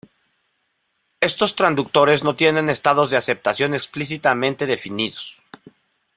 Éstos transductores no tienen estados de aceptación explícitamente definidos.